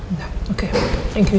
udah oke thank you ya